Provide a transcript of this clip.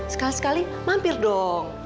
sekali sekali mampir dong